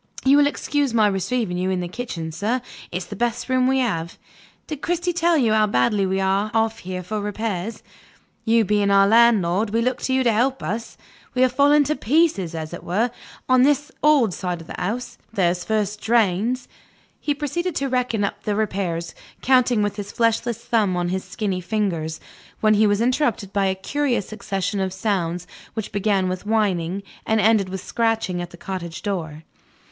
You will excuse my receiving you in the kitchen, sir; it's the best room we have. Did Cristy tell you how badly we are off here for repairs? You being our landlord, we look to you to help us. We are falling to pieces, as it were, on this old side of the house. There's first drains " He proceeded to reckon up the repairs, counting with his fleshless thumb on his skinny fingers, when he was interrupted by a curious succession of sounds which began with whining, and ended with scratching at the cottage door.